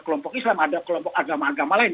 kelompok islam ada kelompok agama agama lain